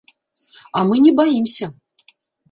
А мы не баімся.